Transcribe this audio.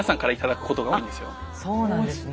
そうなんですね。